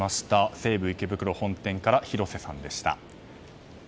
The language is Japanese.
西武池袋本店から広瀬さんでした。